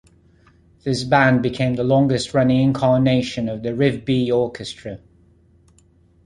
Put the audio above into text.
This band became the longest-running incarnation of the RivBea Orchestra.